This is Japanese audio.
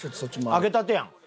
揚げたてやん。